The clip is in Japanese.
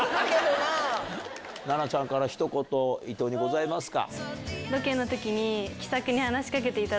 菜々ちゃんからひと言いとうにございますか？